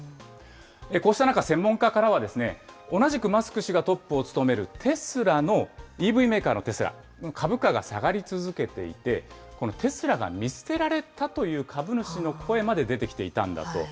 こうした中、専門家からは同じくマスク氏がトップを務めるテスラの、ＥＶメーカーのテスラの株価が下がり続けていて、このテスラが見捨てられたという株主の声まで出てきていたんだと。